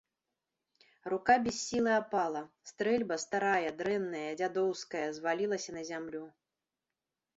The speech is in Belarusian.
Рука без сілы апала, стрэльба старая, дрэнная, дзядоўская, звалілася на зямлю.